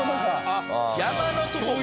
あっ山のとこか。